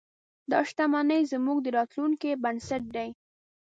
دا شتمنۍ زموږ د راتلونکي بنسټ دی.